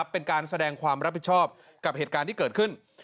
เป็นการแสดงความรับผิดชอบกับเหตุการณ์ที่เกิดขึ้น